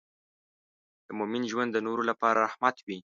د مؤمن ژوند د نورو لپاره رحمت وي.